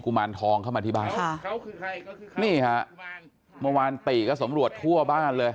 กุมานทองเข้ามาที่บ้านค่ะเขาคือใครก็คือใครนี่ค่ะเมื่อวานติก็สำรวจทั่วบ้านเลย